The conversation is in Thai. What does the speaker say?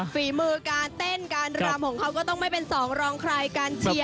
ฝีมือการเต้นการรำของเขาก็ต้องไม่เป็นสองรองใครการเชียร์